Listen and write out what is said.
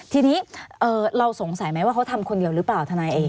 ทีนี้เราสงสัยไหมว่าเขาทำคนเดียวหรือเปล่าทนายเอก